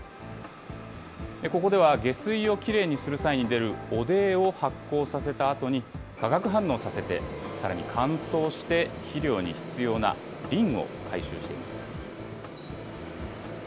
ここでは下水をきれいにする際に出る汚泥を発酵させたあとに、化学反応させて、さらに乾燥して肥料に必要なリンを回収しています。